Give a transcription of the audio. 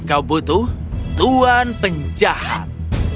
kau butuh tuan penjahat